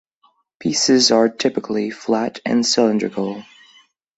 Pieces are typically flat and cylindrical.